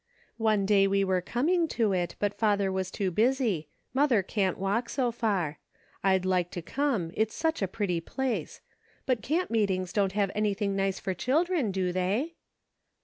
" One day we were coming to it, but father was too busy. Mother can't walk so far. I'd like to come ; it is such a pretty place. But camp mxcet ings don't have anything nice for children, do they